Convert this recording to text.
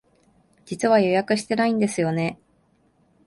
実は予約してないんですよね。